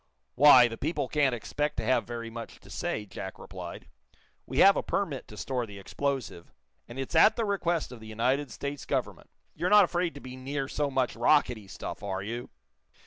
"Why, the people can't expect to have very much to say," Jack replied. "We have a permit to store the explosive, and it's at the request of the United States Government. You're not afraid to be near so much rockety stuff are you?"